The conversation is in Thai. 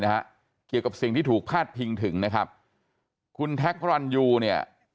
นะฮะเกี่ยวกับสิ่งที่ถูกพาดพิงถึงนะครับคุณแท็กพระรันยูเนี่ย